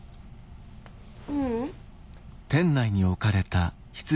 ううん。